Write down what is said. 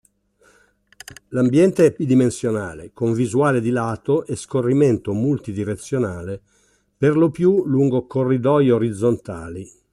L'ambiente è bidimensionale, con visuale di lato e scorrimento multi-direzionale, perlopiù lungo corridoi orizzontali.